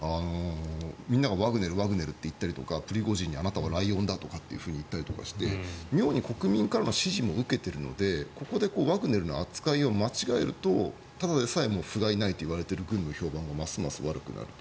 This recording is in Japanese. みんながワグネル、ワグネルと言ったりとかプリゴジンにあなたはライオンだと言ったりして妙に国民からの支持も受けてるのでここでワグネルの扱いを間違えるとただでさえふがいないといわれている軍の評判がますます悪くなる。